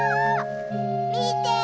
みて！